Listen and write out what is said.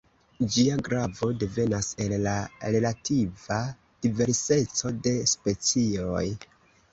Ĝia gravo devenas el la relativa diverseco de specioj.